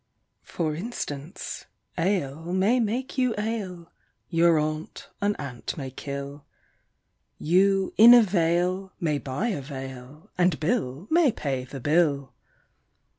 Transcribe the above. For instance, ale may make you ail, your aunt an ant may kill, You in a vale may buy a veil and Bill may pay the bill.